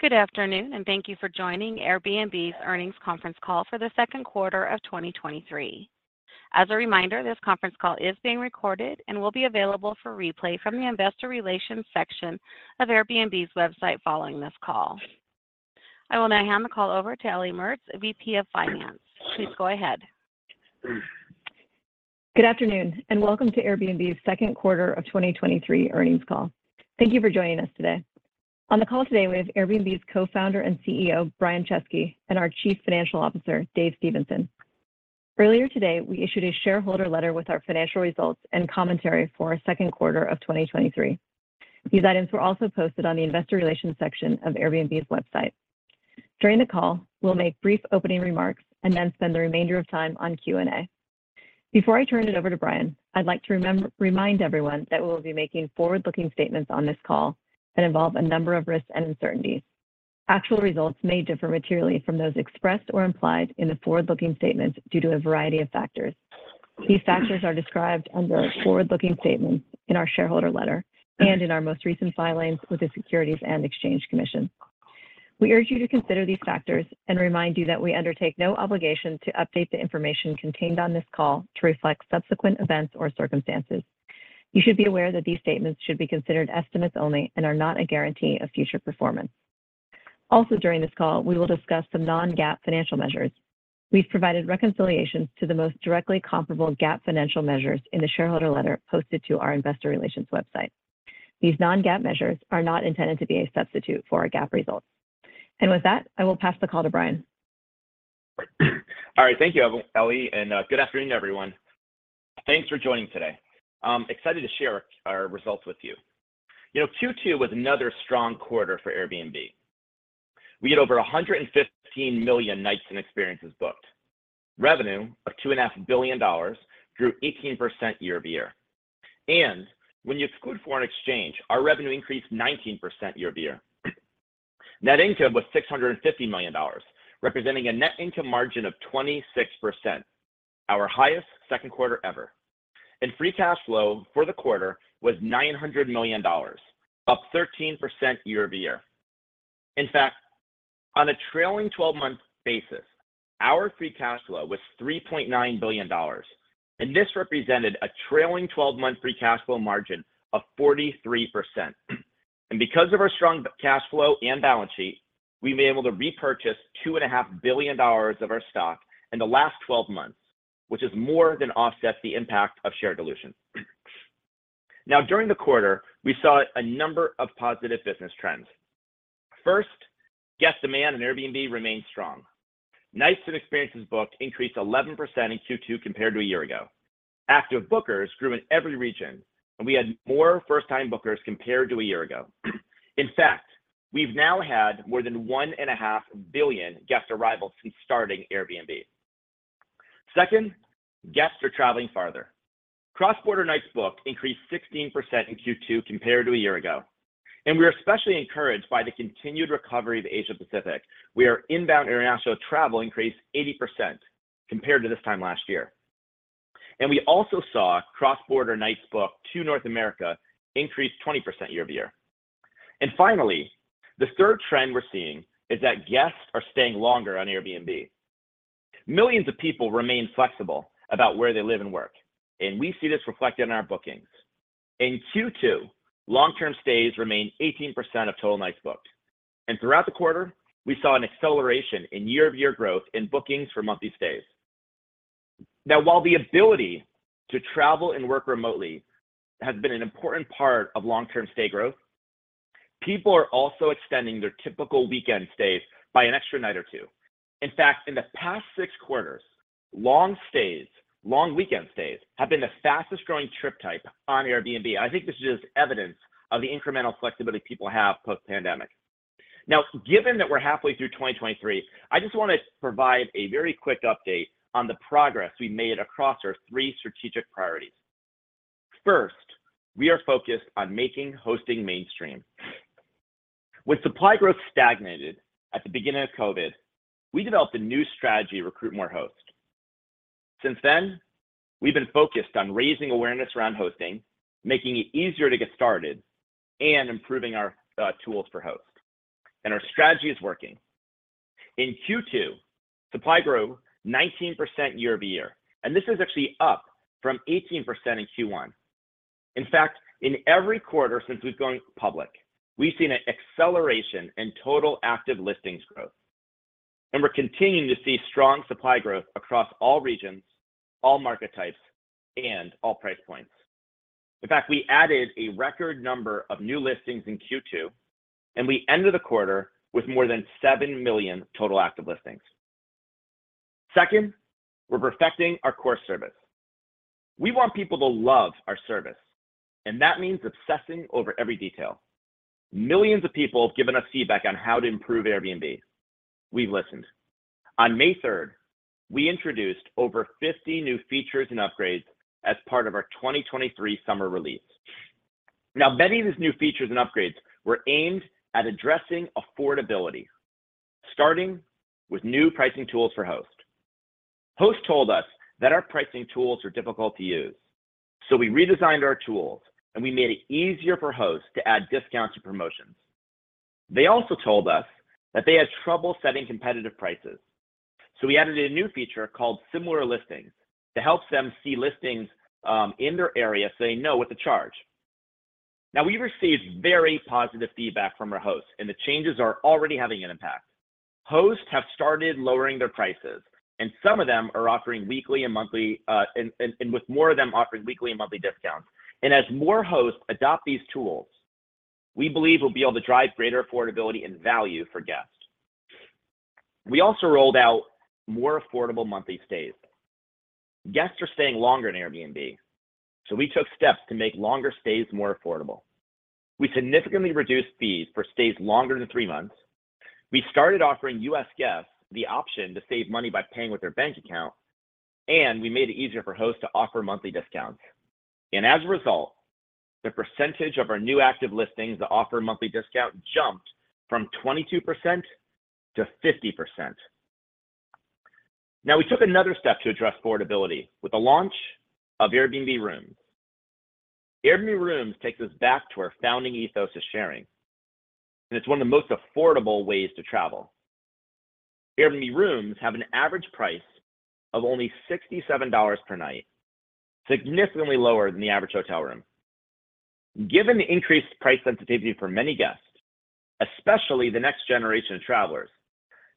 Good afternoon. Thank you for joining Airbnb's Earnings Conference Call for the second quarter of 2023. As a reminder, this conference call is being recorded and will be available for replay from the investor relations section of Airbnb's website following this call. I will now hand the call over to Ellie Mertz, VP of Finance. Please go ahead. Good afternoon, welcome to Airbnb's second quarter of 2023 earnings call. Thank you for joining us today. On the call today, we have Airbnb's Co-Founder and CEO, Brian Chesky, and our Chief Financial Officer, Dave Stephenson. Earlier today, we issued a shareholder letter with our financial results and commentary for our second quarter of 2023. These items were also posted on the investor relations section of Airbnb's website. During the call, we'll make brief opening remarks and then spend the remainder of time on Q&A. Before I turn it over to Brian, I'd like to remind everyone that we will be making forward-looking statements on this call that involve a number of risks and uncertainties. Actual results may differ materially from those expressed or implied in the forward-looking statements due to a variety of factors. These factors are described under forward-looking statements in our shareholder letter and in our most recent filings with the Securities and Exchange Commission. We urge you to consider these factors and remind you that we undertake no obligation to update the information contained on this call to reflect subsequent events or circumstances. You should be aware that these statements should be considered estimates only and are not a guarantee of future performance. Also, during this call, we will discuss some non-GAAP financial measures. We've provided reconciliations to the most directly comparable GAAP financial measures in the shareholder letter posted to our investor relations website. These non-GAAP measures are not intended to be a substitute for our GAAP results. With that, I will pass the call to Brian. All right, thank you, Ellie, good afternoon, everyone. Thanks for joining today. I'm excited to share our results with you. You know, Qtwo was another strong quarter for Airbnb. We had over 115 million nights and experiences booked. Revenue of $2.5 billion grew 18% year-over-year, and when you exclude foreign exchange, our revenue increased 19% year-over-year. Net income was $650 million, representing a net income margin of 26%, our highest second quarter ever. Free cash flow for the quarter was $900 million, up 13% year-over-year. In fact, on a trailing 12-month basis, our free cash flow was $3.9 billion, and this represented a trailing 12-month free cash flow margin of 43%. Because of our strong cash flow and balance sheet, we've been able to repurchase $2.5 billion of our stock in the last 12 months, which has more than offset the impact of share dilution. During the quarter, we saw a number of positive business trends. First, guest demand on Airbnb remains strong. Nights and experiences booked increased 11% in Q2 compared to a year ago. Active bookers grew in every region, and we had more first-time bookers compared to a year ago. In fact, we've now had more than 1.5 billion guest arrivals since starting Airbnb. Second, guests are traveling farther. Cross-border nights booked increased 16% in Q2 compared to a year ago, and we are especially encouraged by the continued recovery of Asia Pacific, where inbound international travel increased 80% compared to this time last year. We also saw cross-border nights booked to North America increase 20% year-over-year. Finally, the third trend we're seeing is that guests are staying longer on Airbnb. Millions of people remain flexible about where they live and work, and we see this reflected in our bookings. In Q2, long-term stays remained 18% of total nights booked, and throughout the quarter, we saw an acceleration in year-over-year growth in bookings for monthly stays. Now, while the ability to travel and work remotely has been an important part of long-term stay growth, people are also extending their typical weekend stays by an extra night or two. In fact, in the past 6 quarters, long stays, long weekend stays, have been the fastest-growing trip type on Airbnb. I think this is just evidence of the incremental flexibility people have post-pandemic. Now, given that we're halfway through 2023, I just want to provide a very quick update on the progress we made across our three strategic priorities. First, we are focused on making hosting mainstream. When supply growth stagnated at the beginning of COVID, we developed a new strategy to recruit more hosts. Since then, we've been focused on raising awareness around hosting, making it easier to get started, and improving our tools for hosts. Our strategy is working. In Q2, supply grew 19% year-over-year, and this is actually up from 18% in Q1. In fact, in every quarter since we've gone public, we've seen an acceleration in total active listings growth, and we're continuing to see strong supply growth across all regions, all market types, and all price points. In fact, we added a record number of new listings in Q2. We ended the quarter with more than seven million total active listings. Second, we're perfecting our core service. We want people to love our service, and that means obsessing over every detail. Millions of people have given us feedback on how to improve Airbnb. We've listened. On May third, we introduced over 50 new features and upgrades as part of our 2023 summer release. Now, many of these new features and upgrades were aimed at addressing affordability, starting with new pricing tools for hosts.... Hosts told us that our pricing tools are difficult to use. We redesigned our tools. We made it easier for hosts to add discounts and promotions. They also told us that they had trouble setting competitive prices, so we added a new feature called Similar Listings to help them see listings in their area, so they know what to charge. We've received very positive feedback from our hosts, the changes are already having an impact. Hosts have started lowering their prices, some of them are offering weekly and monthly with more of them offering weekly and monthly discounts. As more hosts adopt these tools, we believe we'll be able to drive greater affordability and value for guests. We also rolled out more affordable monthly stays. Guests are staying longer in Airbnb, so we took steps to make longer stays more affordable. We significantly reduced fees for stays longer than 3 months. We started offering U.S. guests the option to save money by paying with their bank account, and we made it easier for hosts to offer monthly discounts. As a result, the percentage of our new active listings that offer a monthly discount jumped from 22% to 50%. Now, we took another step to address affordability with the launch of Airbnb Rooms. Airbnb Rooms takes us back to our founding ethos of sharing, and it's one of the most affordable ways to travel. Airbnb Rooms have an average price of only $67 per night, significantly lower than the average hotel room. Given the increased price sensitivity for many guests, especially the next generation of travelers,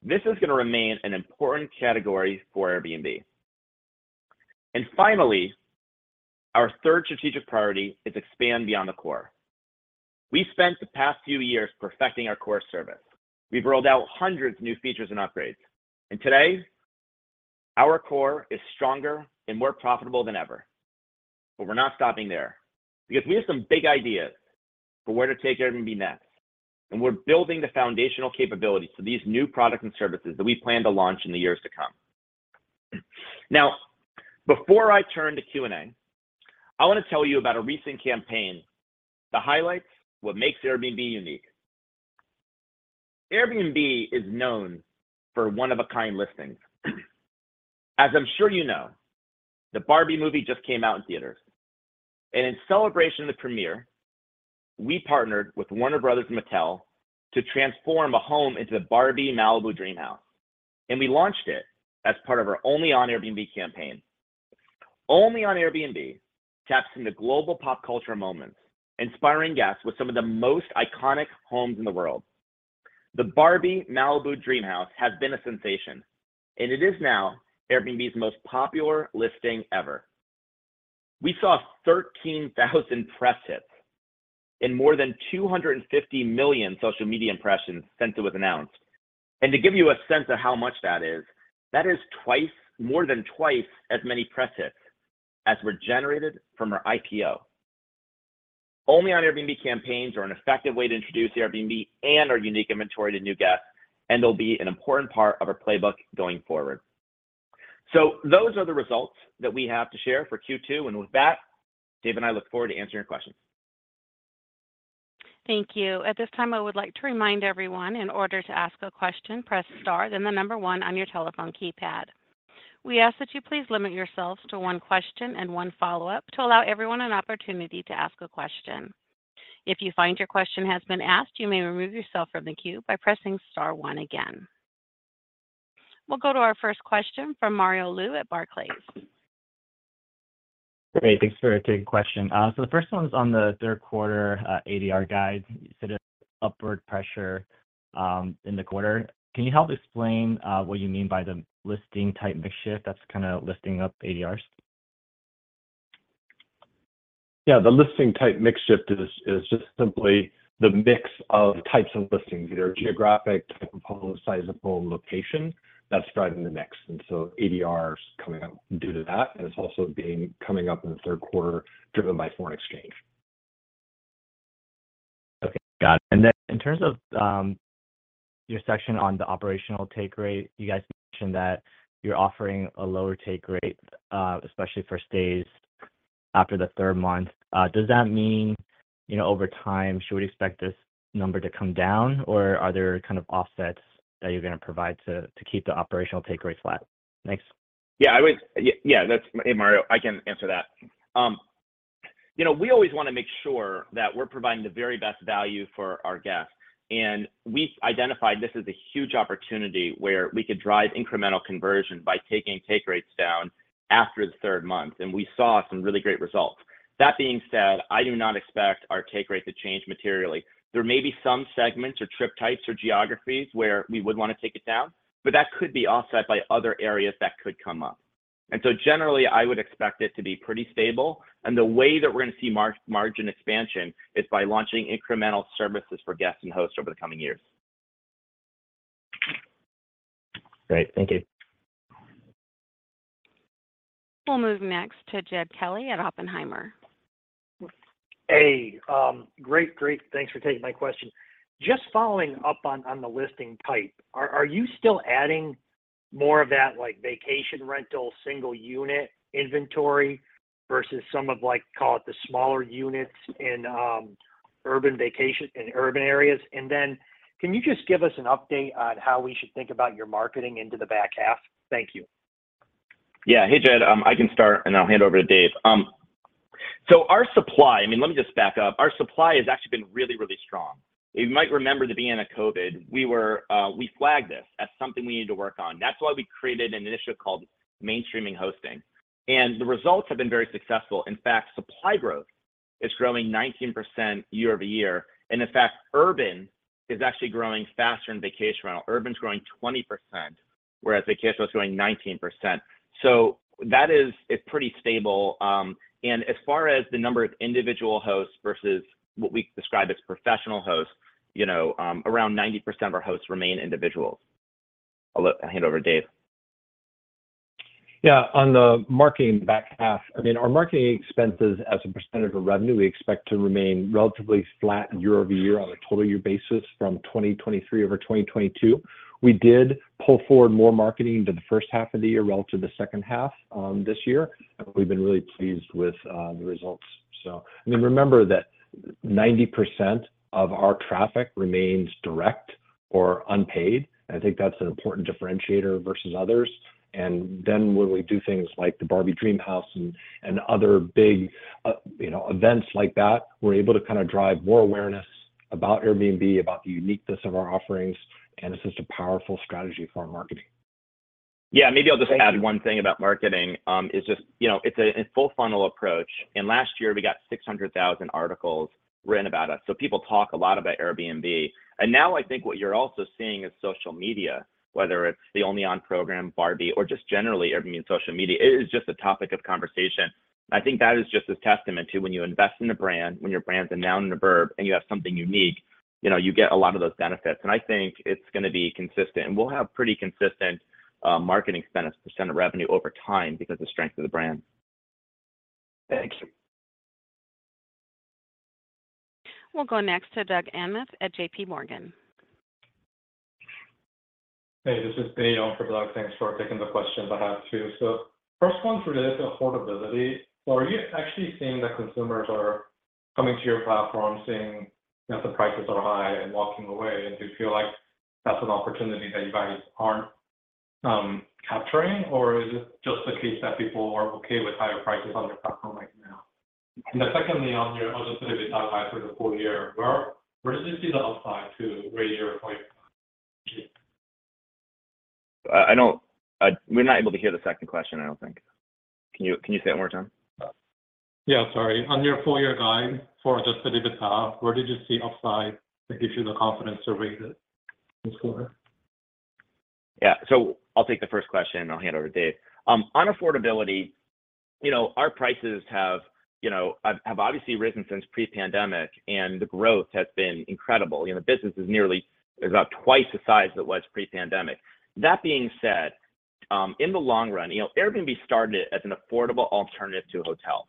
this is gonna remain an an important category for Airbnb. Finally, our third strategic priority is expant beyond the core. We spent the past few years perfecting our core service. We've rolled out hundreds of new features and upgrades, and today, our core is stronger and more profitable than ever. We're not stopping there, because we have some big ideas for where to take Airbnb next, and we're building the foundational capabilities for these new products and services that we plan to launch in the years to come. Now, before I turn to Q&A, I wanna tell you about a recent campaign to highlight what makes Airbnb unique. Airbnb is known for one-of-a-kind listings. As I'm sure you know, the Barbie movie just came out in theaters, and in celebration of the premiere, we partnered with Warner Bros. and Mattel to transform a home into the Barbie Malibu Dreamhouse, and we launched it as part of our Only on Airbnb campaign. Only on Airbnb, taps into global pop culture moments, inspiring guests with some of the most iconic homes in the world. The Barbie Malibu Dreamhouse has been a sensation, and it is now Airbnb's most popular listing ever. We saw 13,000 press hits and more than 250 million social media impressions since it was announced. To give you a sense of how much that is, that is twice, more than twice as many press hits as were generated from our IPO. Only on Airbnb campaigns are an effective way to introduce Airbnb and our unique inventory to new guests, and they'll be an important part of our playbook going forward. Those are the results that we have to share for Q2, and with that, Dave and I look forward to answering your questions. Thank you. At this time, I would like to remind everyone, in order to ask a question, press Star, then the number one on your telephone keypad. We ask that you please limit yourselves to one question and one follow-up to allow everyone an opportunity to ask a question. If you find your question has been asked, you may remove yourself from the queue by pressing Star one again. We'll go to our first question from Mario Lu at Barclays. Great, thanks for taking the question. The first one is on the third quarter, ADR guide, you said, upward pressure, in the quarter. Can you help explain what you mean by the listing type mix shift that's kinda lifting up ADRs? Yeah, the listing type mix shift is just simply the mix of types of listings, either geographic type of home, sizable location, that's driving the mix, and so ADR is coming up due to that, and it's also coming up in the third quarter, driven by foreign exchange. Okay, got it. Then in terms of your section on the operational take rate, you guys mentioned that you're offering a lower take rate, especially for stays after the third month. Does that mean, you know, over time, should we expect this number to come down, or are there kind of offsets that you're gonna provide to, to keep the operational take rate flat? Thanks. Hey, Mario, I can answer that. You know, we always wanna make sure that we're providing the very best value for our guests. We've identified this as a huge opportunity where we could drive incremental conversion by taking take rates down after the third month. We saw some really great results. That being said, I do not expect our take rate to change materially. There may be some segments or trip types or geographies where we would wanna take it down. That could be offset by other areas that could come up. Generally, I would expect it to be pretty stable. The way that we're gonna see margin expansion is by launching incremental services for guests and hosts over the coming years. Great. Thank you. We'll move next to Jed Kelly at Oppenheimer. Hey, great, great. Thanks for taking my question. Just following up on, on the listing type, are, are you still adding more of that, like, vacation rental, single-unit inventory versus some of, like, call it the smaller units in urban vacation in urban areas? Then can you just give us an update on how we should think about your marketing into the back half? Thank you. Yeah. Hey, Jed, I can start, I'll hand over to Dave. Our supply-- I mean, let me just back up. Our supply has actually been really, really strong. You might remember that the beginning of COVID, we were, we flagged this as something we needed to work on. That's why we created an initiative called Mainstreaming Hosting, the results have been very successful. In fact, supply growth is growing 19% year-over-year, in fact, urban is actually growing faster than vacation rental. Urban's growing 20%, whereas vacation was growing 19%. That is, is pretty stable. As far as the number of individual hosts versus what we describe as professional hosts, you know, around 90% of our hosts remain individuals. I'll, I'll hand over to Dave. Yeah, on the marketing back half, I mean, our marketing expenses as a percentage of revenue, we expect to remain relatively flat year-over-year on a total year basis from 2023 over 2022. We did pull forward more marketing into the first half of the year relative to the second half, this year, and we've been really pleased with the results. I mean, remember that 90% of our traffic remains direct or unpaid, and I think that's an important differentiator versus others. Then when we do things like the Barbie Dreamhouse and, and other big, you know, events like that, we're able to kind of drive more awareness about Airbnb, about the uniqueness of our offerings. It's just a powerful strategy for our marketing. Yeah, maybe I'll just add one thing about marketing. It's just, you know, it's a, a full funnel approach, last year we got 600,000 articles written about us, people talk a lot about Airbnb. Now I think what you're also seeing is social media, whether it's the Only on program, Barbie, or just generally, Airbnb in social media, it is just a topic of conversation. I think that is just a testament to when you invest in a brand, when your brand's a noun and a verb, and you have something unique, you know, you get a lot of those benefits, I think it's gonna be consistent. We'll have pretty consistent marketing spend as a % of revenue over time because of the strength of the brand. Thank you. We'll go next to Doug Anmuth at J.P. Morgan. Hey, this is Dae Lee for Doug. Thanks for taking the questions I have, too. First one's related to affordability. Are you actually seeing that consumers are coming to your platform, seeing that the prices are high and walking away? Do you feel like that's an opportunity that you guys aren't capturing, or is it just the case that people are okay with higher prices on your platform right now? Secondly, on your other side, for the full year, where, where did you see the upside to where you're quite? I don't. We're not able to hear the second question, I don't think. Can you, can you say it one more time? Yeah, sorry. On your full year guide for the EBITDA, where did you see upside that gives you the confidence to rate it this quarter? Yeah. I'll take the first question, and I'll hand over to Dave. On affordability, you know, our prices have obviously risen since pre-pandemic, and the growth has been incredible. You know, the business is nearly about twice the size it was pre-pandemic. That being said, in the long run, you know, Airbnb started as an affordable alternative to hotels.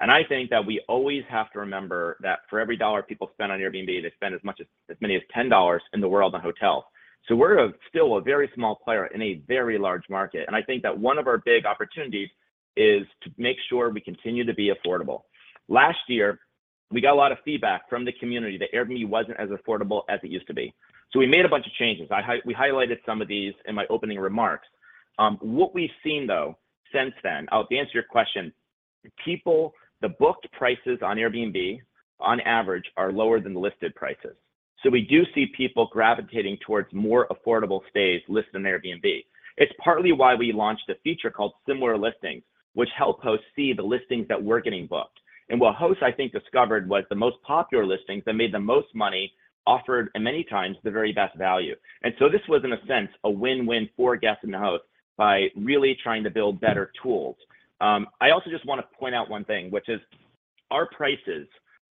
I think that we always have to remember that for every dollar people spend on Airbnb, they spend as much as, as many as $10 in the world on hotels. We're still a very small player in a very large market, and I think that one of our big opportunities is to make sure we continue to be affordable. Last year, we got a lot of feedback from the community that Airbnb wasn't as affordable as it used to be. We made a bunch of changes. We highlighted some of these in my opening remarks. What we've seen, though, since then, to answer your question, people, the booked prices on Airbnb, on average, are lower than the listed prices. We do see people gravitating towards more affordable stays listed on Airbnb. It's partly why we launched a feature called Similar Listings, which help hosts see the listings that were getting booked. What hosts, I think, discovered was the most popular listings that made the most money offered, in many times, the very best value. This was, in a sense, a win-win for guests and the hosts by really trying to build better tools. I also just want to point out one thing, which is our prices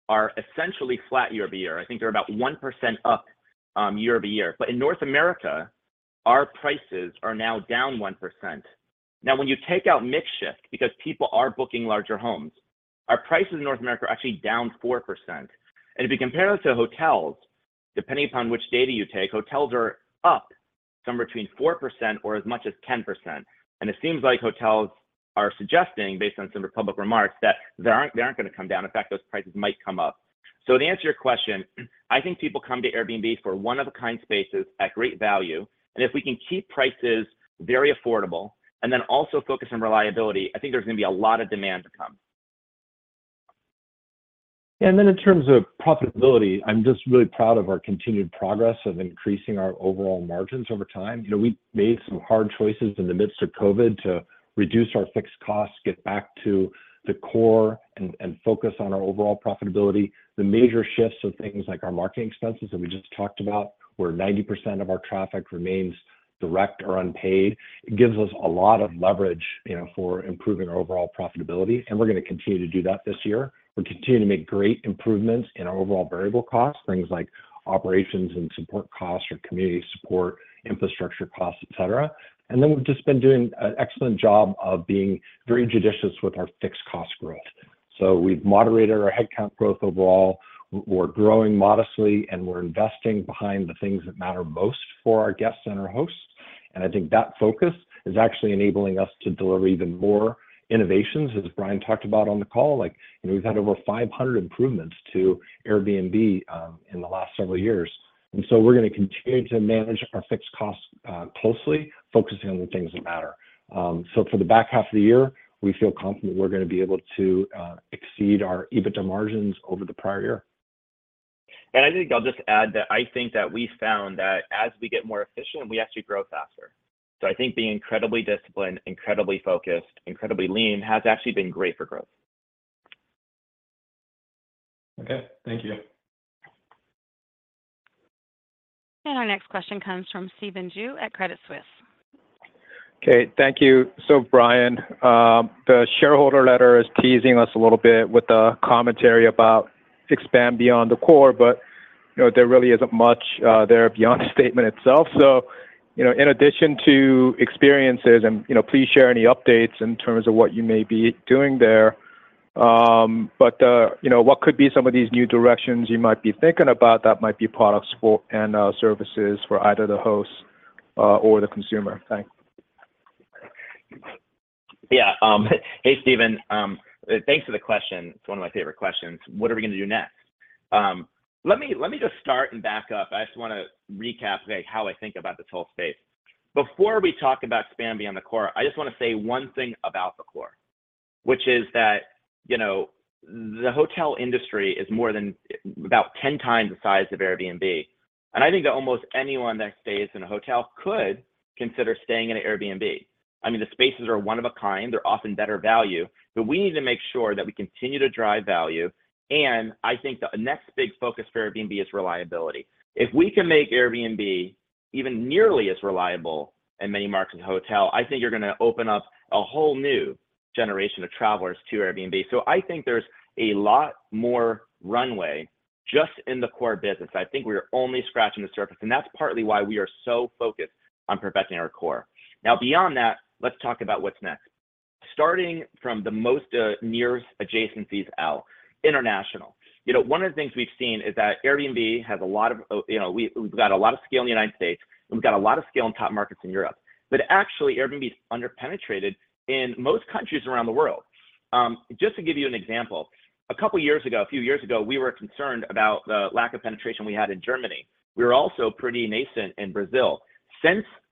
are essentially flat year-over-year. I think they're about 1% up, year-over-year. In North America, our prices are now down 1%. When you take out mix shift, because people are booking larger homes, our prices in North America are actually down 4%. If you compare us to hotels, depending upon which data you take, hotels are up somewhere between 4% or as much as 10%. It seems like hotels are suggesting, based on some public remarks, that they aren't, they aren't gonna come down. In fact, those prices might come up. To answer your question, I think people come to Airbnb for one-of-a-kind spaces at great value, and if we can keep prices very affordable and then also focus on reliability, I think there's gonna be a lot of demand to come. Then in terms of profitability, I'm just really proud of our continued progress of increasing our overall margins over time. You know, we made some hard choices in the midst of COVID to reduce our fixed costs, get back to the core and focus on our overall profitability. The major shifts of things like our marketing expenses that we just talked about, where 90% of our traffic remains direct or unpaid, it gives us a lot of leverage, you know, for improving our overall profitability, and we're gonna continue to do that this year. We're continuing to make great improvements in our overall variable costs, things like operations and support costs, or community support, infrastructure costs, et cetera. Then we've just been doing an excellent job of being very judicious with our fixed cost growth. We've moderated our headcount growth overall, we're growing modestly, and we're investing behind the things that matter most for our guests and our hosts.... I think that focus is actually enabling us to deliver even more innovations, as Brian talked about on the call. Like, you know, we've had over 500 improvements to Airbnb in the last several years. We're gonna continue to manage our fixed costs closely, focusing on the things that matter. For the back half of the year, we feel confident we're gonna be able to exceed our EBITDA margins over the prior year. I think I'll just add that I think that we found that as we get more efficient, we actually grow faster. I think being incredibly disciplined, incredibly focused, incredibly lean, has actually been great for growth. Okay, thank you. Our next question comes from Stephen Ju at Credit Suisse. Okay, thank you. Brian, the shareholder letter is teasing us a little bit with the commentary about expand beyond the core, but, you know, there really isn't much there uncertain the statement itself. You know, in addition to experiences and, you know, please share any updates in terms of what you may be doing there. You know, what could be some of these new directions you might be thinking about that might be products for, and, services for either the host, or the consumer? Thanks. Yeah, hey, Stephen. Thanks for the question. It's one of my favorite questions. What are we gonna do next? Let me, let me just start and back up. I just want to recap, like, how I think about this whole space. Before we talk about expanding uncertain the core, I just want to say one thing about the core, which is that, you know, the hotel industry is more than about 10 times the size of Airbnb, and I think that almost anyone that stays in a hotel could consider staying in an Airbnb. I mean, the spaces are one of a kind, they're often better value, but we need to make sure that we continue to drive value. I think the next big focus for Airbnb is reliability. If we can make Airbnb even nearly as reliable in many markets as hotel, I think you're gonna open up a whole new generation of travelers to Airbnb. I think there's a lot more runway just in the core business. I think we are only scratching the surface, and that's partly why we are so focused on perfecting our core. Now, uncertain that, let's talk about what's next. Starting from the most, nearest adjacencies out, international. You know, one of the things we've seen is that Airbnb has a lot of-- You know, we've got a lot of scale in the United States, and we've got a lot of scale in top markets in Europe, but actually, Airbnb is under-penetrated in most countries around the world. Just to give you an example, a couple of years ago, a few years ago, we were concerned about the lack of penetration we had in Germany. We were also pretty nascent in Brazil.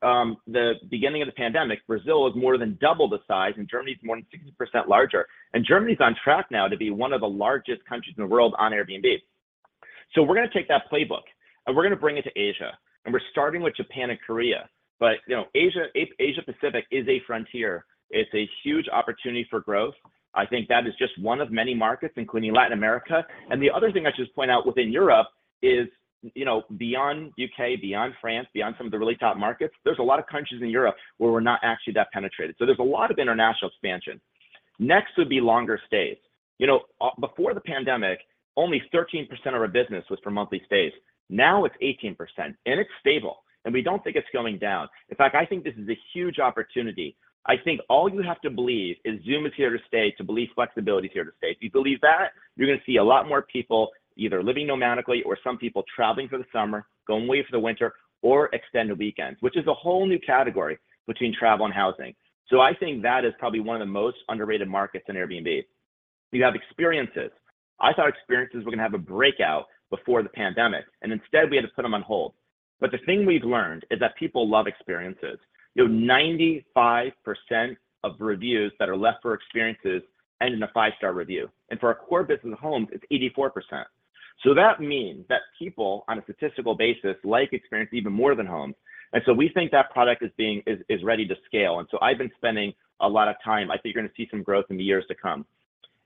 Since the beginning of the pandemic, Brazil is more than double the size, and Germany is more than 60% larger, and Germany is on track now to be one of the largest countries in the world on Airbnb. We're gonna take that playbook, and we're gonna bring it to Asia, and we're starting with Japan and Korea. You know, Asia, Asia Pacific is a frontier. It's a huge opportunity for growth. I think that is just one of many markets, including Latin America. The other thing I'd just point out within Europe is, you know, beyond U.K., beyond France, beyond some of the really top markets, there's a lot of countries in Europe where we're not actually that penetrated. There's a lot of international expansion. Next would be longer stays. You know, before the pandemic, only 13% of our business was from monthly stays. Now it's 18%, and it's stable, and we don't think it's going down. In fact, I think this is a huge opportunity. I think all you have to believe is Zoom is here to stay, to believe flexibility is here to stay. If you believe that, you're gonna see a lot more people either living nomadically or some people traveling for the summer, going away for the winter or extended weekends, which is a whole new category between travel and housing. I think that is probably one of the most underrated markets in Airbnb. You have experiences. I thought experiences were gonna have a breakout before the pandemic, and instead, we had to put them on hold. The thing we've learned is that people love experiences. You know, 95% of reviews that are left for experiences end in a 5-star review. For our core business homes, it's 84%. That means that people, on a statistical basis, like experience even more than homes. We think that product is ready to scale. I've been spending a lot of time. I think you're gonna see some growth in the years to come.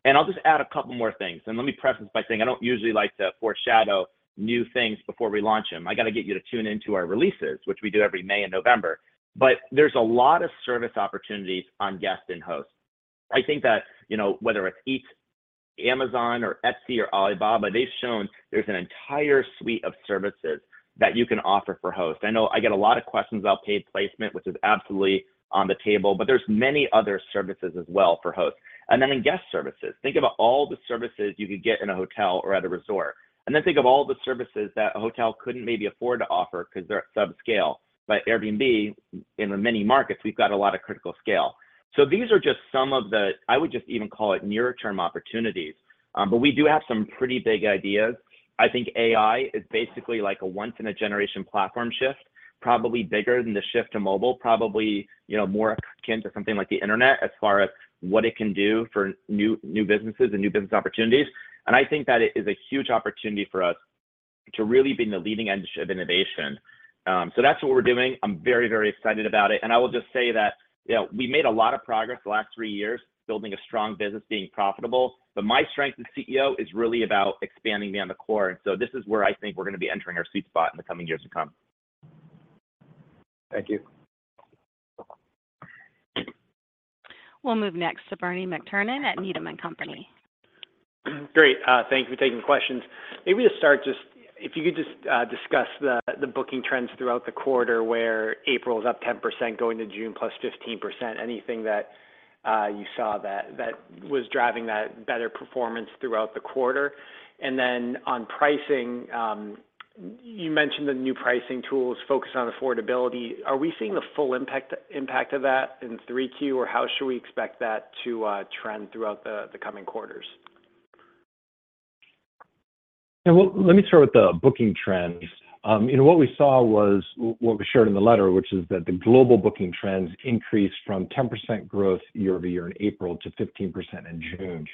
I'll just add a couple more things, and let me preface by saying I don't usually like to foreshadow new things before we launch them. I got to get you to tune in to our releases, which we do every May and November. There's a lot of service opportunities on guests and hosts. I think that, you know, whether it's Eats, Amazon, or Etsy or Alibaba, they've shown there's an entire suite of services that you can offer for hosts. I know I get a lot of questions about paid placement, which is absolutely on the table, but there's many other services as well for hosts. In guest services, think about all the services you could get in a hotel or at a resort, and then think of all the services that a hotel couldn't maybe afford to offer because they're at subscale. Airbnb, in many markets, we've got a lot of critical scale. These are just some of the... I would just even call it near-term opportunities, but we do have some pretty big ideas. I think AI is basically like a once-in-a-generation platform shift, probably bigger than the shift to mobile, probably, you know, more akin to something like the Internet as far as what it can do for new, new businesses and new business opportunities. I think that it is a huge opportunity for us to really be in the leading edge of innovation. That's what we're doing. I'm very, very excited about it. I will just say that, you know, we made a lot of progress the last 3 years, building a strong business, being profitable, but my strength as CEO is really about expanding beyond the core. This is where I think we're gonna be entering our sweet spot in the coming years to come. Thank you. We'll move next to Bernie McTernan at Needham & Company. Great. Thank you for taking questions. Maybe to start, just if you could just discuss the booking trends throughout the quarter, where April is up 10%, going to June +15%. Anything that.... you saw that, that was driving that better performance throughout the quarter. On pricing, you mentioned the new pricing tools focused on affordability. Are we seeing the full impact of that in 3Q, or how should we expect that to trend throughout the coming quarters? Well, let me start with the booking trends. You know, what we saw was what we shared in the letter, which is that the global booking trends increased from 10% growth year-over-year in April to 15% in June.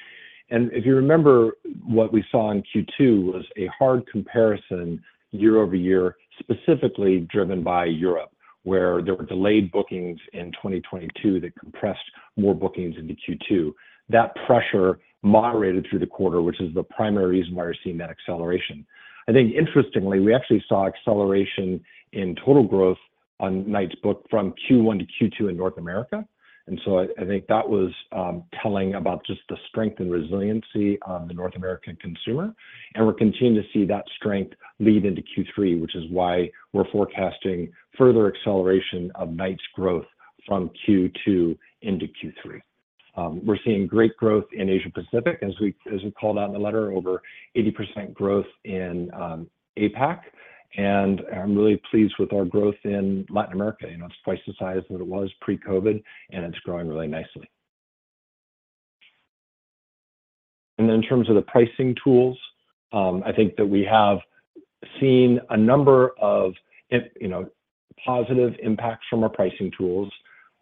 If you remember, what we saw in Q2 was a hard comparison year-over-year, specifically driven by Europe, where there were delayed bookings in 2022 that compressed more bookings into Q2. That pressure moderated through the quarter, which is the primary reason why you're seeing that acceleration. I think interestingly, we actually saw acceleration in total growth on nights booked from Q1 to Q2 in North America. So I, I think that was telling about just the strength and resiliency of the North American consumer. We're continuing to see that strength lead into Q3, which is why we're forecasting further acceleration of nights growth from Q2 into Q3. We're seeing great growth in Asia Pacific, as we, as we called out in the letter, over 80% growth in APAC. I'm really pleased with our growth in Latin America. You know, it's twice the size that it was pre-COVID, and it's growing really nicely. In terms of the pricing tools, I think that we have seen a number of, you know, positive impacts from our pricing tools.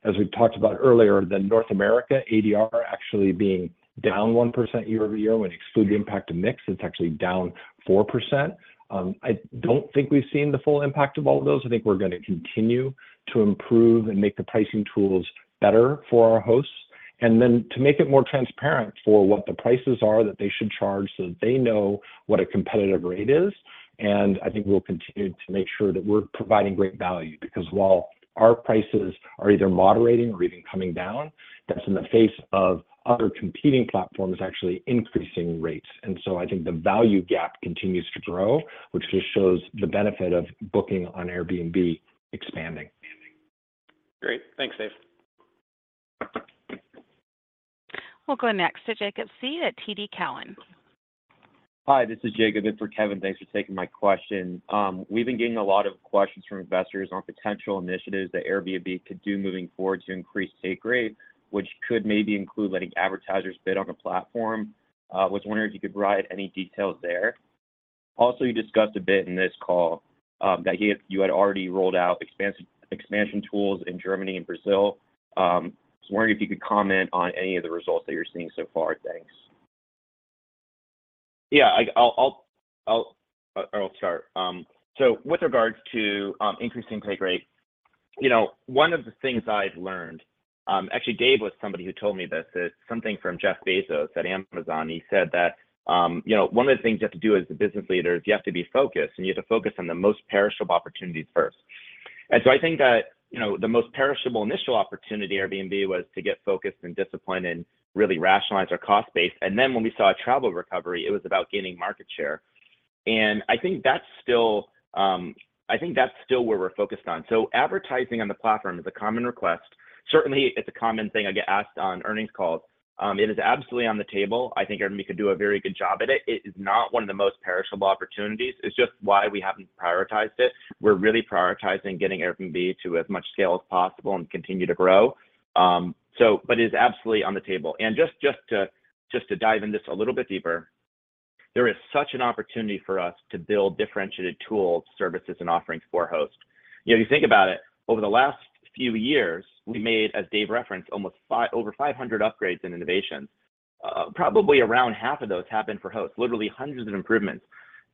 As we talked about earlier, the North America ADR actually being down 1% year-over-year, when you exclude the impact of mix, it's actually down 4%. I don't think we've seen the full impact of all of those. I think we're going to continue to improve and make the pricing tools better for our hosts, and then to make it more transparent for what the prices are that they should charge so that they know what a competitive rate is. I think we'll continue to make sure that we're providing great value, because while our prices are either moderating or even coming down, that's in the face of other competing platforms actually increasing rates. So I think the value gap continues to grow, which just shows the benefit of booking on Airbnb expanding. Great. Thanks, Dave. We'll go next to Jake Cecere at TD Cowen. Hi, this is Jacob in for Kevin. Thanks for taking my question. We've been getting a lot of questions from investors on potential initiatives that Airbnb could do moving forward to increase take rate, which could maybe include letting advertisers bid on a platform. Was wondering if you could provide any details there. You discussed a bit in this call that you had already rolled out expansion tools in Germany and Brazil. Just wondering if you could comment on any of the results that you're seeing so far. Thanks. Yeah, I'll, I'll, I'll, I'll start. So with regards to increasing take rate, you know, one of the things I've learned, actually, Dave was somebody who told me this, is something from Jeff Bezos at Amazon. He said that, you know, one of the things you have to do as a business leader is you have to be focused, and you have to focus on the most perishable opportunities first. I think that, you know, the most perishable initial opportunity at Airbnb was to get focused and disciplined and really rationalize our cost base. Then when we saw a travel recovery, it was about gaining market share. I think that's still, I think that's still where we're focused on. Advertising on the platform is a common request. Certainly, it's a common thing I get asked on earnings calls. It is absolutely on the table. I think Airbnb could do a very good job at it. It is not one of the most perishable opportunities. It's just why we haven't prioritized it. We're really prioritizing getting Airbnb to as much scale as possible and continue to grow. So, but it is absolutely on the table. Just, just to, just to dive into this a little bit deeper, there is such an opportunity for us to build differentiated tools, services, and offerings for hosts. You know, if you think about it, over the last few years, we made, as Dave referenced, almost over 500 upgrades in innovations. Probably around half of those happened for hosts, literally hundreds of improvements.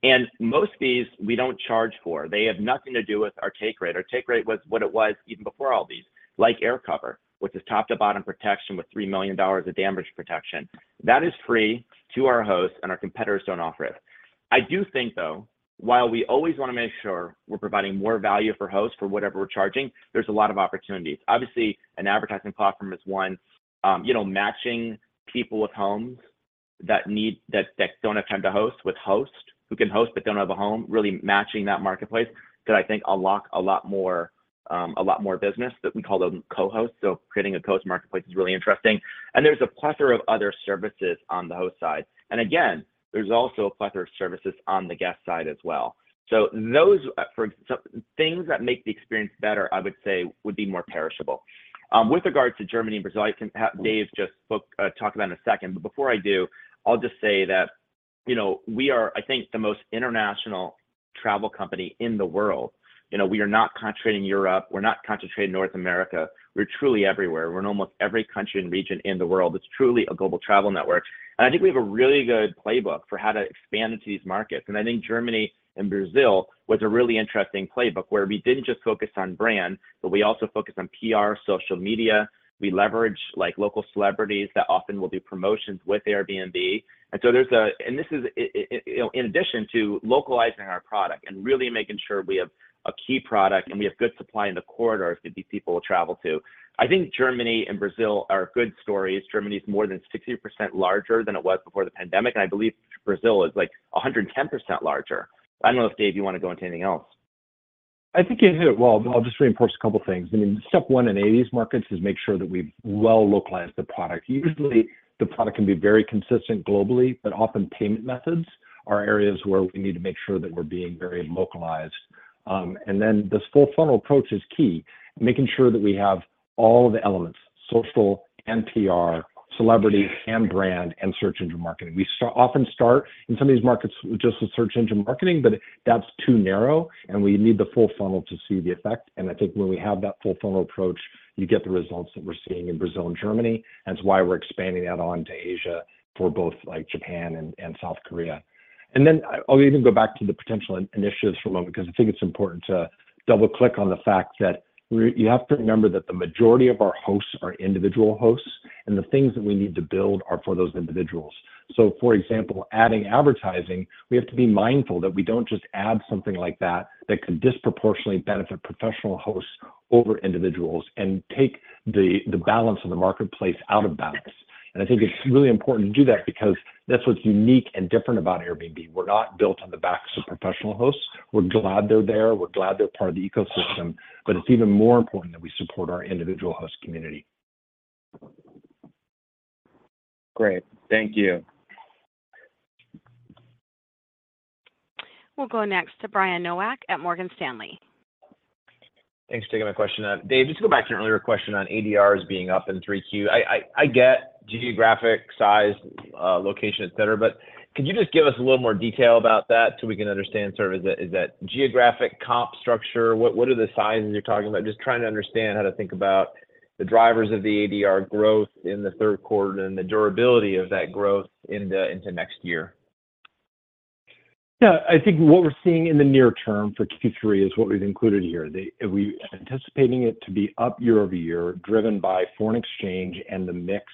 And most of these we don't charge for. They have nothing to do with our take rate. Our take rate was what it was even before all these, like AirCover, which is top-to-bottom protection with $3 million of damage protection. That is free to our hosts, and our competitors don't offer it. I do think, though, while we always want to make sure we're providing more value for hosts for whatever we're charging, there's a lot of opportunities. Obviously, an advertising platform is one, you know, matching people with homes that need that don't have time to host with hosts who can host but don't have a home, really matching that marketplace, could, I think, unlock a lot more, a lot more business that we call them co-hosts. Creating a co-host marketplace is really interesting. There's a plethora of other services on the host side. Again, there's also a plethora of services on the guest side as well. Those things that make the experience better, I would say, would be more perishable. With regards to Germany and Brazil, I can have Dave just talk about in a second. Before I do, I'll just say that, you know, we are, I think, the most international travel company in the world. You know, we are not concentrated in Europe, we're not concentrated in North America, we're truly everywhere. We're in almost every country and region in the world. It's truly a global travel network. I think we have a really good playbook for how to expand into these markets. I think Germany and Brazil was a really interesting playbook, where we didn't just focus on brand, but we also focused on PR, social media. We leverage, like, local celebrities that often will do promotions with Airbnb. There's a... This is in addition to localizing our product and really making sure we have a key product, and we have good supply in the corridors that these people will travel to. I think Germany and Brazil are good stories. Germany is more than 60% larger than it was before the pandemic, and I believe Brazil is, like, 110% larger. I don't know if, Dave, you want to go into anything else?... I think you hit it. Well, I'll just reinforce a couple things. I mean, step 1 in eighties markets is make sure that we've well localized the product. Usually, the product can be very consistent globally, but often payment methods are areas where we need to make sure that we're being very localized. Then this full funnel approach is key, making sure that we have all the elements: social and PR, celebrity and brand, and search engine marketing. Often start in some of these markets with just the search engine marketing, but that's too narrow, and we need the full funnel to see the effect. I think when we have that full funnel approach, you get the results that we're seeing in Brazil and Germany, and that's why we're expanding that on to Asia for both, like, Japan and, and South Korea. Then I, I'll even go back to the potential initiatives for a moment, because I think it's important to double-click on the fact that you have to remember that the majority of our hosts are individual hosts, and the things that we need to build are for those individuals. For example, adding advertising, we have to be mindful that we don't just add something like that, that could disproportionately benefit professional hosts over individuals and take the, the balance of the marketplace out of balance. I think it's really important to do that because that's what's unique and different about Airbnb. We're not built on the backs of professional hosts. We're glad they're there. We're glad they're part of the ecosystem, but it's even more important that we support our individual host community. Great. Thank you. We'll go next to Brian Nowak at Morgan Stanley. Thanks for taking my question. Dave, just to go back to an earlier question on ADRs being up in 3Q. I get geographic size, location, et cetera, but could you just give us a little more detail about that so we can understand sort of is that geographic comp structure? What, what are the sizes you're talking about? Just trying to understand how to think about the drivers of the ADR growth in the 3rd quarter and the durability of that growth into next year. Yeah. I think what we're seeing in the near term for Q3 is what we've included here. The-- we're anticipating it to be up year-over-year, driven by foreign exchange and the mix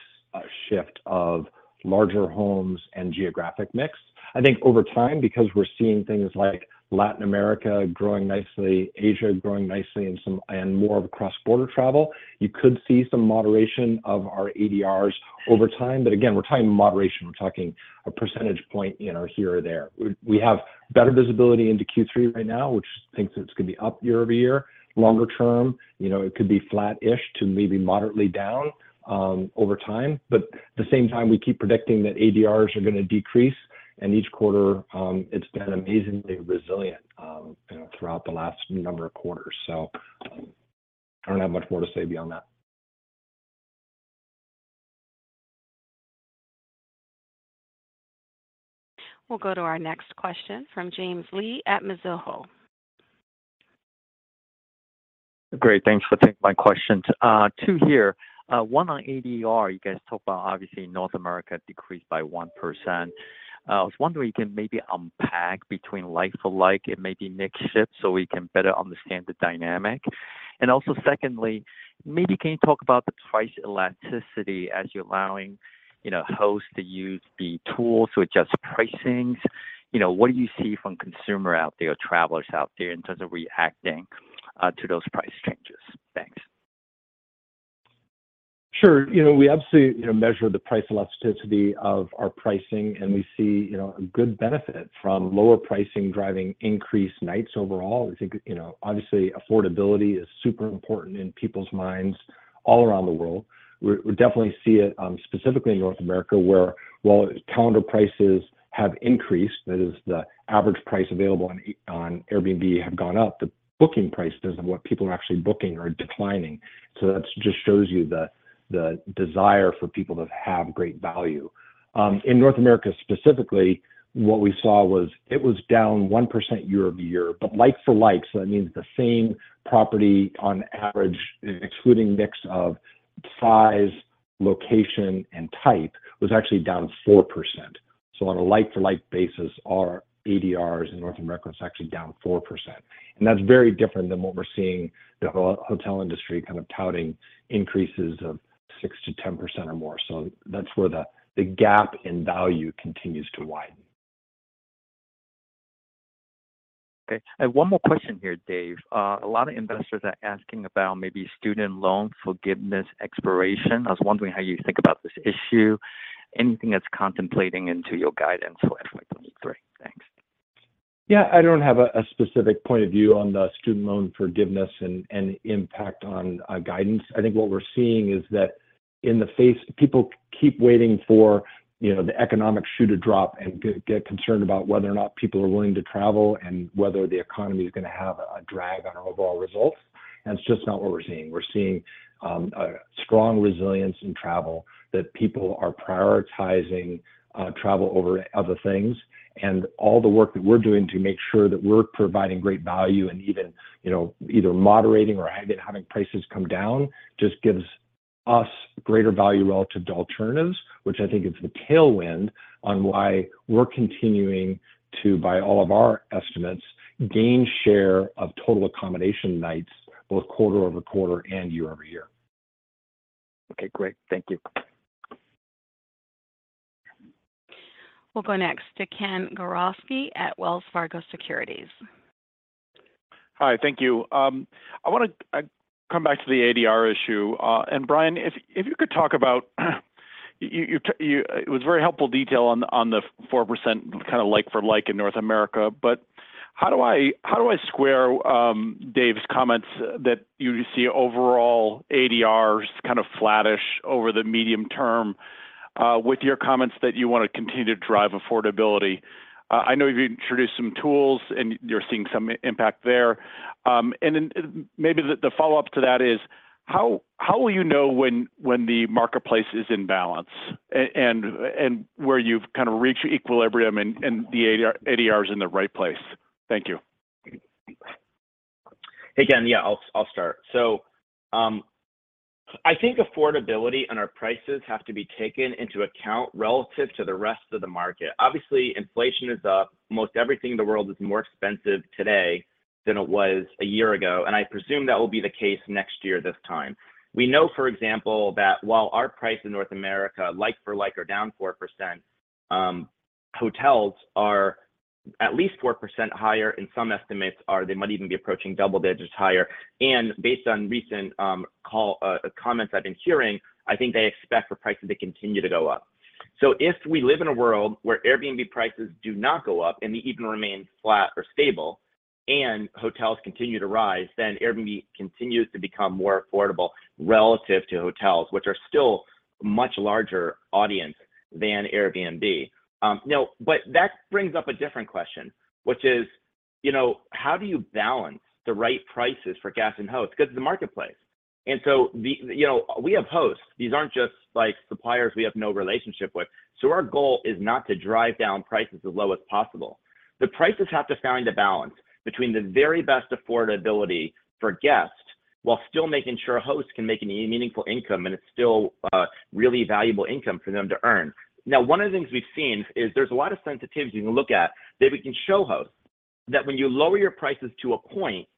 shift of larger homes and geographic mix. I think over time, because we're seeing things like Latin America growing nicely, Asia growing nicely and some-- and more of cross-border travel, you could see some moderation of our ADRs over time. Again, we're talking moderation. We're talking a percentage point, you know, here or there. We, we have better visibility into Q3 right now, which thinks it's gonna be up year-over-year. Longer term, you know, it could be flat-ish to maybe moderately down over time. At the same time, we keep predicting that ADRs are going to decrease, and each quarter, it's been amazingly resilient, you know, throughout the last number of quarters. I don't have much more to say beyond that. We'll go to our next question from James Lee at Mizuho. Great. Thanks for taking my questions. Two here. One on ADR. You guys talked about obviously North America decreased by 1%. I was wondering if you can maybe unpack between like for like and maybe mix shift, so we can better understand the dynamic. Also, secondly, maybe can you talk about the price elasticity as you're allowing, you know, hosts to use the tools to adjust pricings? You know, what do you see from consumer out there or travelers out there in terms of reacting to those price changes? Thanks. Sure. You know, we absolutely, you know, measure the price elasticity of our pricing, and we see, you know, a good benefit from lower pricing, driving increased nights overall. We think, you know, obviously, affordability is super important in people's minds all around the world. We, we definitely see it, specifically in North America, where while calendar prices have increased, that is, the average price available on, on Airbnb have gone up, the booking prices of what people are actually booking are declining. That just shows you the, the desire for people to have great value. In North America, specifically, what we saw was it was down 1% year-over-year, but like for like, so that means the same property on average, excluding mix of size, location, and type, was actually down 4%. On a like-to-like basis, our ADRs in North America is actually down 4%. That's very different than what we're seeing the hotel industry kind of touting increases of 6%-10% or more. That's where the gap in value continues to widen. Okay, I have one more question here, Dave. A lot of investors are asking about maybe student loan forgiveness expiration. I was wondering how you think about this issue. Anything that's contemplating into your guidance for FY 2023? Thanks. Yeah. I don't have a specific point of view on the student loan forgiveness and impact on guidance. I think what we're seeing is that people keep waiting for, you know, the economic shoe to drop and get concerned about whether or not people are willing to travel and whether the economy is gonna have a drag on our overall results, and it's just not what we're seeing. We're seeing a strong resilience in travel, that people are prioritizing travel over other things, and all the work that we're doing to make sure that we're providing great value and even, you know, either moderating or having prices come down, just gives us greater value relative to alternatives, which I think is the tailwind on why we're continuing to, by all of our estimates, gain share of total accommodation nights, both quarter-over-quarter and year-over-year. Okay, great. Thank you. We'll go next to Ken Gawrelski at Wells Fargo Securities. Hi, thank you. I wanna come back to the ADR issue. Brian, if you could talk about, it was very helpful detail on the 4% kind of like for like in North America. How do I, how do I square Dave's comments that you see overall ADRs kind of flattish over the medium term, with your comments that you want to continue to drive affordability? I know you've introduced some tools, and you're seeing some impact there. Then maybe the follow-up to that is: how will you know when the marketplace is in balance, and where you've kind of reached equilibrium and the ADR is in the right place? Thank you. Hey, again, yeah, I'll, I'll start. I think affordability and our prices have to be taken into account relative to the rest of the market. Obviously, inflation is up. Most everything in the world is more expensive today than it was a year ago, and I presume that will be the case next year this time. We know, for example, that while our price in North America, like for like, are down 4%, hotels are at least 4% higher, and some estimates are they might even be approaching double digits higher. Based on recent call comments I've been hearing, I think they expect for prices to continue to go up. If we live in a world where Airbnb prices do not go up, and they even remain flat or stable, and hotels continue to rise, then Airbnb continues to become more affordable relative to hotels, which are still much larger audience than Airbnb. Now, that brings up a different question, which is, you know, how do you balance the right prices for guests and hosts? Because it's a marketplace, and so the-- you know, we have hosts. These aren't just like suppliers we have no relationship with. Our goal is not to drive down prices as low as possible. The prices have to find a balance between the very best affordability for guests, while still making sure hosts can make a meaningful income, and it's still really valuable income for them to earn. One of the things we've seen is there's a lot of sensitivity to look at, that we can show hosts that when you lower your prices to a point,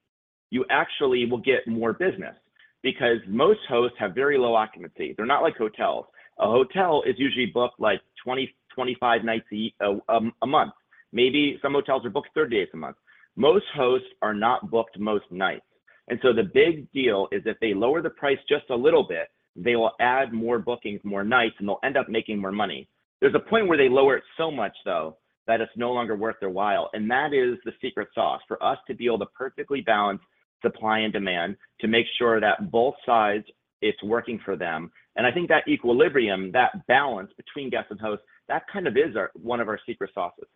you actually will get more business, because most hosts have very low occupancy. They're not like hotels. A hotel is usually booked like 20, 25 nights a month. Maybe some hotels are booked 30 days a month. Most hosts are not booked most nights. The big deal is if they lower the price just a little bit, they will add more bookings, more nights, and they'll end up making more money. There's a point where they lower it so much, though, that it's no longer worth their while, and that is the secret sauce for us to be able to perfectly balance supply and demand, to make sure that both sides, it's working for them. I think that equilibrium, that balance between guests and hosts, that kind of is our, one of our secret sauces.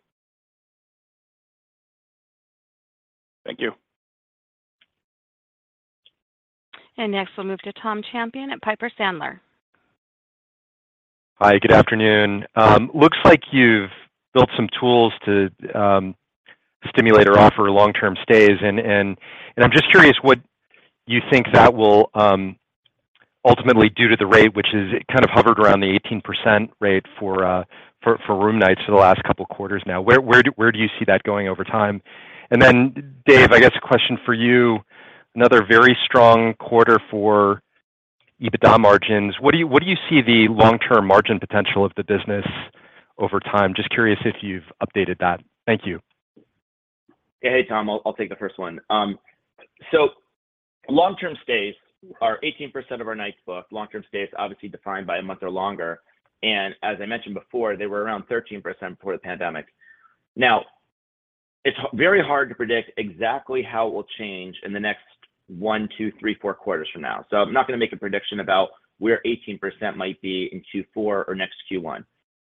Thank you. Next, we'll move to Tom Champion at Piper Sandler. Hi, good afternoon. Looks like you've built some tools to stimulate or offer long-term stays. I'm just curious what you think that will ultimately do to the rate, which is it kind of hovered around the 18% rate for room nights for the last couple of quarters now. Where do you see that going over time? Then, Dave, I guess a question for you. Another very strong quarter for EBITDA margins. What do you, what do you see the long-term margin potential of the business over time? Just curious if you've updated that. Thank you. Hey, Tom, I'll, I'll take the first one. long-term stays are 18% of our nights booked, long-term stays, obviously defined by a month or longer. as I mentioned before, they were around 13% before the pandemic. it's very hard to predict exactly how it will change in the next 1, 2, 3, 4 quarters from now. I'm not going to make a prediction about where 18% might be in Q4 or next Q1.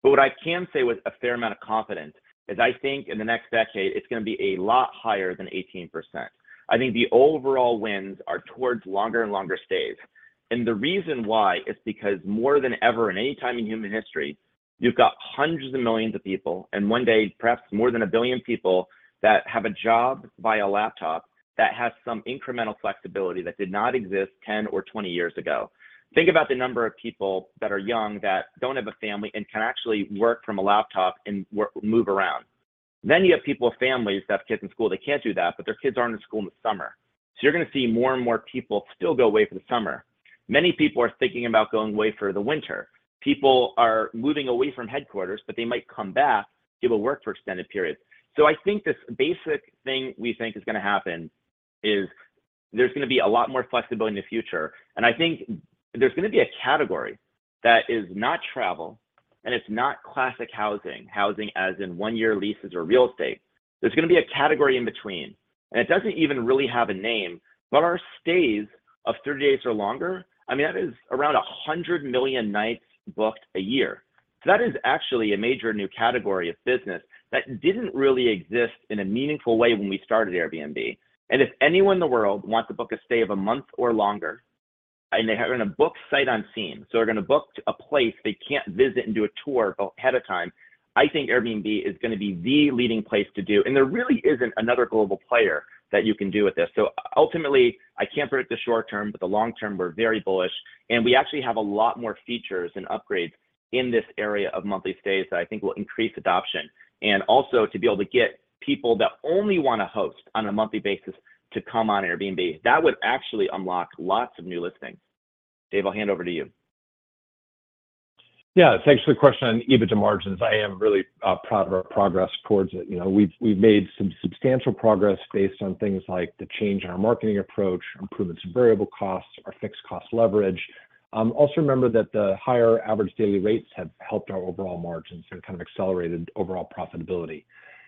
what I can say with a fair amount of confidence is, I think in the next decade, it's going to be a lot higher than 18%. I think the overall winds are towards longer and longer stays. The reason why is because more than ever in any time in human history, you've got hundreds of millions of people, and one day, perhaps more than 1 billion people, that have a job by a laptop that has some incremental flexibility that did not exist 10 or 20 years ago. Think about the number of people that are young, that don't have a family, and can actually work from a laptop and work, move around. You have people with families that have kids in school, they can't do that, but their kids aren't in school in the summer. You're going to see more and more people still go away for the summer. Many people are thinking about going away for the winter. People are moving away from headquarters, but they might come back, be able to work for extended periods. I think the basic thing we think is going to happen is there's going to be a lot more flexibility in the future, and I think there's going to be a category that is not travel, and it's not classic housing, housing as in 1-year leases or real estate. There's going to be a category in between, and it doesn't even really have a name, but our stays of 30 days or longer, I mean, that is around 100 million nights booked a year. That is actually a major new category of business that didn't really exist in a meaningful way when we started Airbnb. If anyone in the world wants to book a stay of a month or longer, they are going to book sight unseen, they're going to book a place they can't visit and do a tour ahead of time, I think Airbnb is going to be the leading place to do, there really isn't another global player that you can do with this. Ultimately, I can't predict the short term, the long term, we're very bullish, we actually have a lot more features and upgrades in this area of monthly stays that I think will increase adoption. Also to be able to get people that only want to host on a monthly basis to come on Airbnb, that would actually unlock lots of new listings. Dave, I'll hand over to you. Yeah, thanks for the question on EBITDA margins. I am really proud of our progress towards it. You know, we've, we've made some substantial progress based on things like the change in our marketing approach, improvements in variable costs, our fixed cost leverage. Also remember that the higher average daily rates have helped our overall margins and kind of accelerated overall profitability.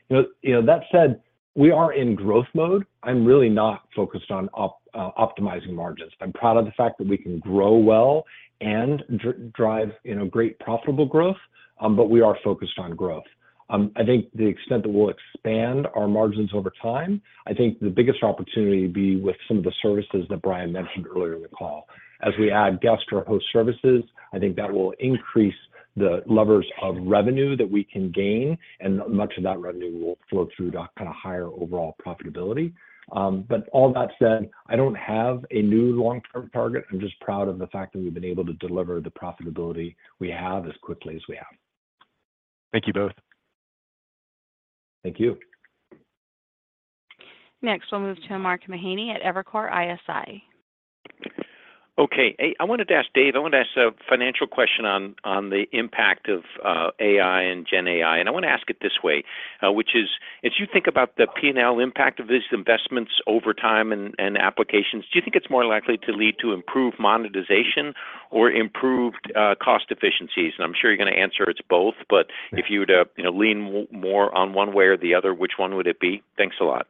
You know, you know, that said, we are in growth mode. I'm really not focused on optimizing margins. I'm proud of the fact that we can grow well and drive, you know, great profitable growth, we are focused on growth. I think the extent that we'll expand our margins over time, I think the biggest opportunity will be with some of the services that Brian mentioned earlier in the call. As we add guest or host services, I think that will increase the levers of revenue that we can gain, and much of that revenue will flow through to kind of higher overall profitability. All that said, I don't have a new long-term target. I'm just proud of the fact that we've been able to deliver the profitability we have as quickly as we have. Thank you both. Thank you. Next, we'll move to Mark Mahaney at Evercore ISI. Okay. Hey, I wanted to ask Dave, I wanted to ask a financial question on, on the impact of AI and GenAI. I want to ask it this way, which is: as you think about the P&L impact of these investments over time and, and applications, do you think it's more likely to lead to improved monetization or improved cost efficiencies? I'm sure you're going to answer it's both, but- Yeah... if you were to, you know, lean more on one way or the other, which one would it be? Thanks a lot.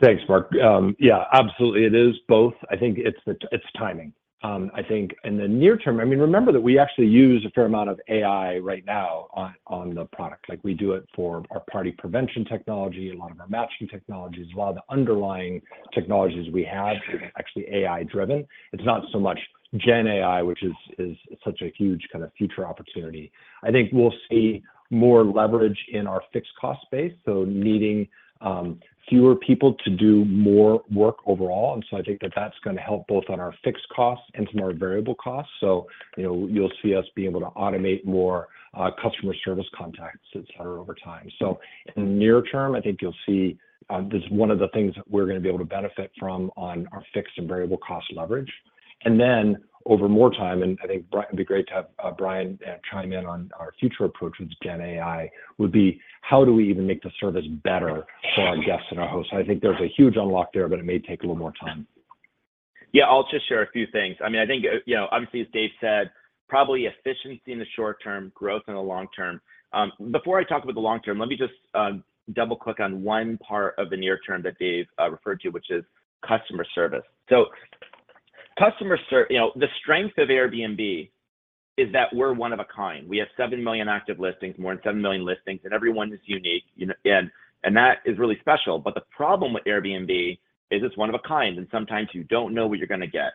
Thanks, Mark. Yeah, absolutely it is both. I think it's the- it's timing. I think in the near term-- I mean, remember that we actually use a fair amount of AI right now on, on the product. Like, we do it for our party prevention technology and a lot of our matching technologies. A lot of the underlying technologies we have are actually AI-driven. It's not so much GenAI, which is, is such a huge kind of future opportunity. I think we'll see more leverage in our fixed cost base, so needing fewer people to do more work overall, and so I think that that's going to help both on our fixed costs and some of our variable costs. You know, you'll see us be able to automate more customer service contacts, et cetera, over time. In the near term, I think you'll see just one of the things that we're going to be able to benefit from on our fixed and variable cost leverage. Then over more time, and I think Brian, it'd be great to have Brian chime in on our future approach with GenAI, would be: how do we even make the service better for our guests and our hosts? I think there's a huge unlock there, but it may take a little more time. Yeah, I'll just share a few things. I mean, I think, you know, obviously, as Dave said, probably efficiency in the short term, growth in the long term. Before I talk about the long term, let me just double-click on one part of the near term that Dave referred to, which is customer service. Customer service, you know, the strength of Airbnb is that we're one of a kind. We have 7 million active listings, more than 7 million listings, and every one is unique, you know, and, and that is really special. The problem with Airbnb is it's one of a kind, and sometimes you don't know what you're going to get.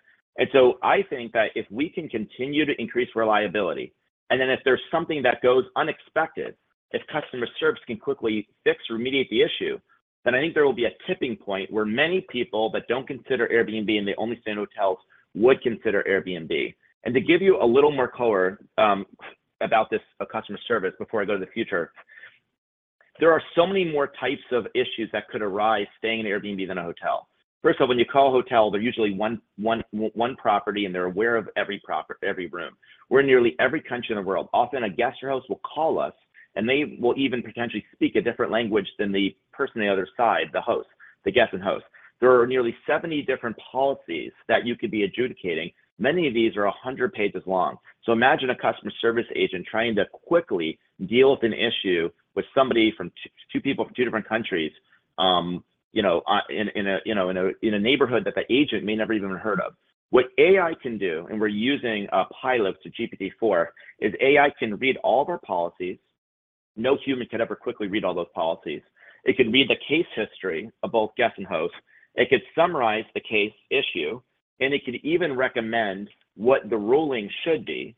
I think that if we can continue to increase reliability, and then if there's something that goes unexpected, if customer service can quickly fix or remediate the issue, then I think there will be a tipping point where many people that don't consider Airbnb and they only stay in hotels would consider Airbnb. To give you a little more color about this customer service before I go to the future, there are so many more types of issues that could arise staying in an Airbnb than a hotel. First of all, when you call a hotel, they're usually one, one, zero to one property, and they're aware of every proper- every room. We're in nearly every country in the world. Often, a guest or host will call us, and they will even potentially speak a different language than the person on the other side, the host, the guest and host. There are nearly 70 different policies that you could be adjudicating. Many of these are 100 pages long. Imagine a customer service agent trying to quickly deal with an issue with somebody from 2, 2 people from 2 different countries, you know, on, in, in a, you know, in a, in a neighborhood that the agent may never even heard of. What AI can do, and we're using a pilot to GPT-4, is AI can read all of our policies. No human could ever quickly read all those policies. It can read the case history of both guest and host. It could summarize the case issue, and it can even recommend what the ruling should be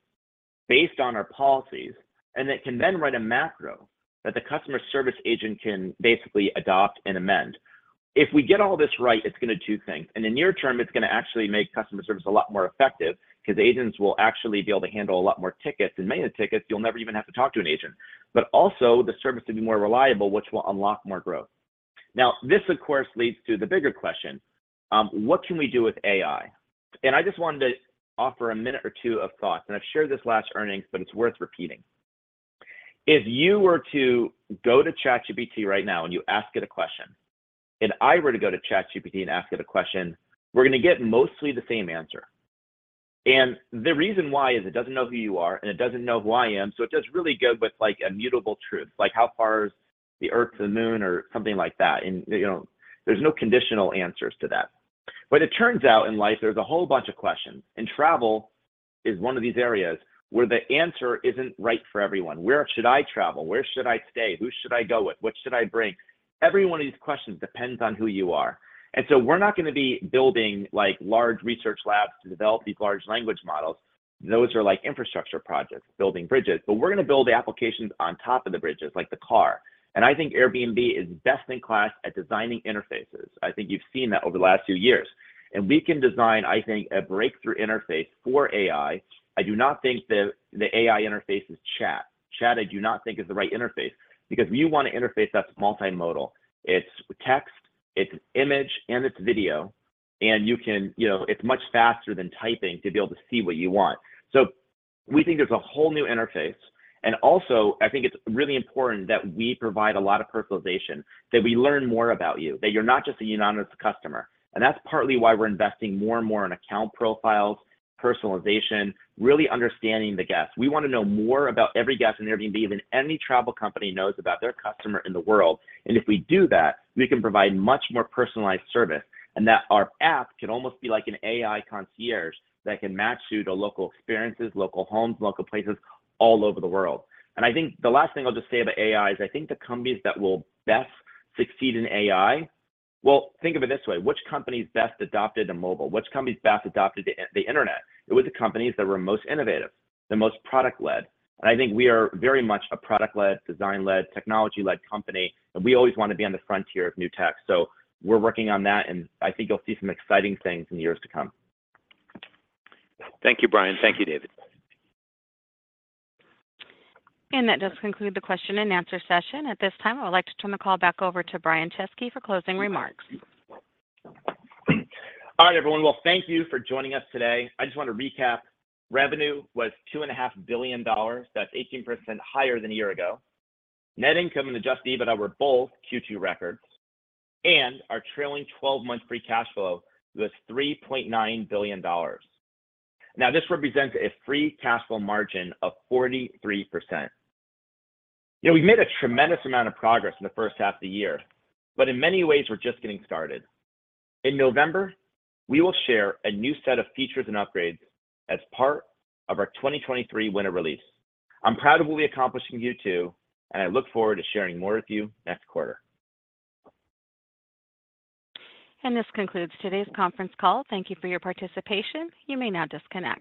based on our policies, and it can then write a macro that the customer service agent can basically adopt and amend. If we get all this right, it's going to do two things. In the near term, it's going to actually make customer service a lot more effective because agents will actually be able to handle a lot more tickets, and many of the tickets, you'll never even have to talk to an agent. Also, the service will be more reliable, which will unlock more growth. Now, this, of course, leads to the bigger question: What can we do with AI? I just wanted to offer a minute or two of thought, and I've shared this last earnings, but it's worth repeating. If you were to go to ChatGPT right now and you ask it a question, and I were to go to ChatGPT and ask it a question, we're going to get mostly the same answer. The reason why is it doesn't know who you are, and it doesn't know who I am, so it just really goes with, like, immutable truths, like how far is the Earth to the Moon or something like that, and, you know, there's no conditional answers to that. It turns out in life there's a whole bunch of questions, and travel is one of these areas where the answer isn't right for everyone. Where should I travel? Where should I stay? Who should I go with? What should I bring? Every one of these questions depends on who you are. We're not going to be building, like, large research labs to develop these large language models. Those are like infrastructure projects, building bridges, but we're going to build the applications on top of the bridges, like the car. I think Airbnb is best-in-class at designing interfaces. I think you've seen that over the last few years. We can design, I think, a breakthrough interface for AI. I do not think that the AI interface is chat. Chat, I do not think is the right interface, because we want an interface that's multimodal. It's text, it's image, and it's video, and you can. You know, it's much faster than typing to be able to see what you want. We think there's a whole new interface, also, I think it's really important that we provide a lot of personalization, that we learn more about you, that you're not just an anonymous customer. That's partly why we're investing more and more on account profiles, personalization, really understanding the guest. We want to know more about every guest in Airbnb than any travel company knows about their customer in the world. If we do that, we can provide much more personalized service, and that our app can almost be like an AI concierge that can match you to local experiences, local homes, local places all over the world. I think the last thing I'll just say about AI is I think the companies that will best succeed in AI. Well, think of it this way: Which companies best adopted a mobile? Which companies best adopted the internet? It was the companies that were most innovative, the most product-led. I think we are very much a product-led, design-led, technology-led company, and we always want to be on the frontier of new tech. We're working on that, and I think you'll see some exciting things in the years to come. Thank you, Brian. Thank you, Dave Stephenson. That does conclude the question and answer session. At this time, I would like to turn the call back over to Brian Chesky for closing remarks. All right, everyone. Well, thank you for joining us today. I just want to recap. Revenue was $2.5 billion. That's 18% higher than a year ago. Net income and adjusted EBITDA were both Q2 records. Our trailing twelve-month free cash flow was $3.9 billion. This represents a free cash flow margin of 43%. You know, we've made a tremendous amount of progress in the first half of the year. In many ways, we're just getting started. In November, we will share a new set of features and upgrades as part of our 2023 Winter Release. I'm proud of what we accomplished in Q2. I look forward to sharing more with you next quarter. This concludes today's conference call. Thank you for your participation. You may now disconnect.